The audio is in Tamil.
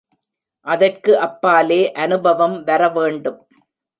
அதற்கு அப்பாலே அநுபவம் வரவேண்டும்.